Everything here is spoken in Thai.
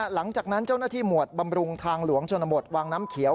หลังจากนั้นเจ้าหน้าที่หมวดบำรุงทางหลวงชนบทวังน้ำเขียว